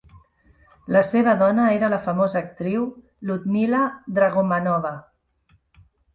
La seva dona era la famosa actriu Ludmila Dragomanova.